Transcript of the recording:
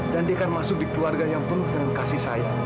dan dia kan masuk di keluarga yang penuh dengan kasih sayang